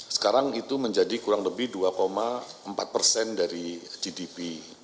sekarang itu menjadi kurang lebih dua empat persen dari gdp